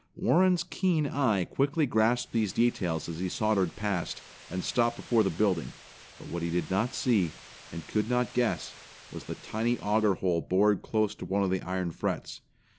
Warren's keen eye quickly grasped these details as he sauntered past, and stopped before 'the building, but what he did not see, and could not guess, was the tiny auger hole bored close to one of the iron frets.